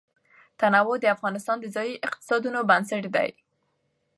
تنوع د افغانستان د ځایي اقتصادونو بنسټ دی.